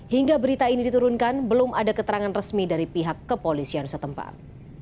hingga berita ini diturunkan belum ada keterangan resmi dari pihak kepolisian setempat